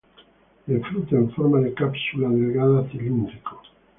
El fruto en forma de cápsula delgada cilíndrico.